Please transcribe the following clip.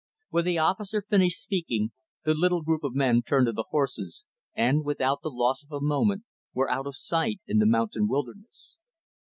When the officer finished speaking, the little group of men turned to the horses, and, without the loss of a moment, were out of sight in the mountain wilderness.